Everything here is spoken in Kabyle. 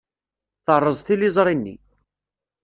Terreẓ tiliẓri-nni.